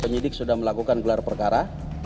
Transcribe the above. penyidik sudah melakukan gelar perkara